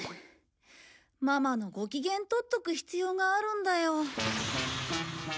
ママのご機嫌取っとく必要があるんだよ。